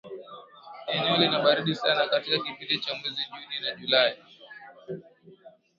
eneo lina baridi sana katika kipindi cha mwezi juni na julai